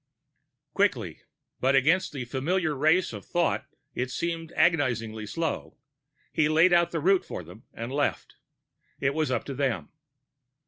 Quickly (but against the familiar race of thought, it seemed agonizingly slow) he laid out the route for them and left; it was up to them.